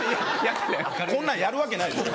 こんなのやるわけないでしょ。